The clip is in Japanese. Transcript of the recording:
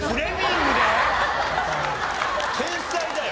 天才だよ。